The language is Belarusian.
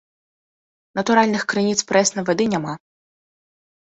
Натуральных крыніц прэснай вады няма.